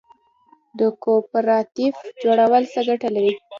د کوپراتیف جوړول څه ګټه لري؟